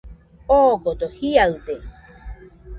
Odogo jiaɨde